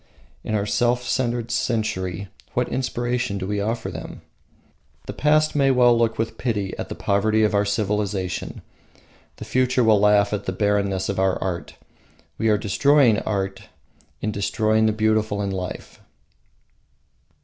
In our self centered century, what inspiration do we offer them? The past may well look with pity at the poverty of our civilisation; the future will laugh at the barrenness of our art. We are destroying the beautiful in life.